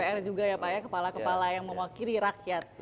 dpr juga ya pak ya kepala kepala yang mewakili rakyat